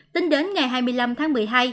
tính đến ngày hai mươi năm tháng một mươi hai